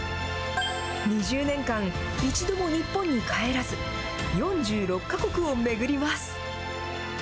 ２０年間、一度も日本に帰らず、４６か国を巡ります。